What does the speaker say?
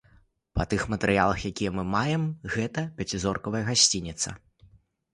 Па тых матэрыялах, якія мы маем, гэта пяцізоркавая гасцініца.